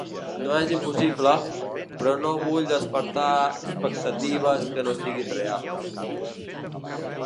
No és impossible, però no vull despertar expectatives que no siguin reals.